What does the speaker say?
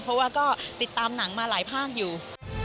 เพราะว่าก็ติดตามหนังมาหลายภาคอยู่